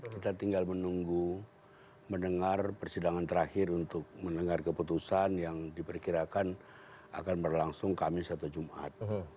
kita tinggal menunggu mendengar persidangan terakhir untuk mendengar keputusan yang diperkirakan akan berlangsung kamis atau jumat